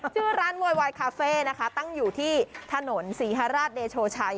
ชื่อร้านโวยวายคาเฟ่นะคะตั้งอยู่ที่ถนนศรีฮราชเดโชชัย